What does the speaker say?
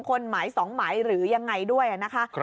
๒คนหรือยังไงด้วยนะคะ